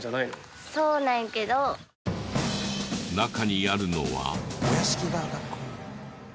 中にあるのは。